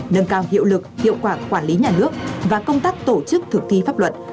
nâng cao hiệu lực hiệu quả quản lý nhà nước và công tác tổ chức thực thi pháp luật